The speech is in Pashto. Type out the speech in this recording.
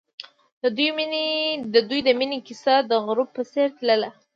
د دوی د مینې کیسه د غروب په څېر تلله.